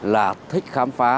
là thích khám phá